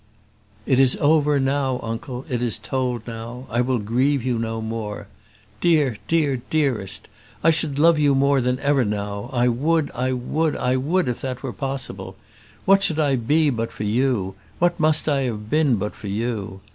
"It is over now, uncle: it is told now. I will grieve you no more. Dear, dear, dearest! I should love you more than ever now; I would, I would, I would if that were possible. What should I be but for you? What must I have been but for you?"